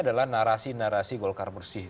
adalah narasi narasi golkar bersih